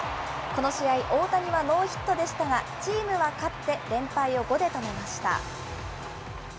この試合、大谷はノーヒットでしたが、チームは勝って連敗を５で止めました。